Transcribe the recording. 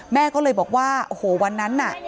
แม่ก็เลยบอกว่าโอ้โหวันนั้นน่ะ